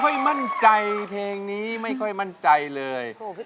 เล่าใจเพลงนี้ไม่ค่อยมั่นใจเลย